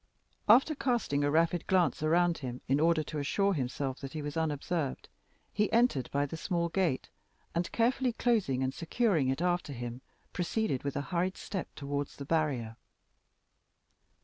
After casting a rapid glance around him, in order to assure himself that he was unobserved, he entered by the small gate, and, carefully closing and securing it after him, proceeded with a hurried step towards the barrier.